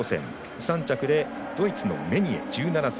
３着でドイツのメニエ、１７歳。